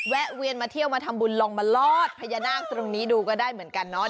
แวนมาเที่ยวมาทำบุญลองมาลอดพญานาคตรงนี้ดูก็ได้เหมือนกันเนาะ